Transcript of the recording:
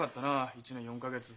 １年４か月。